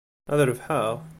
Ad rebḥeɣ?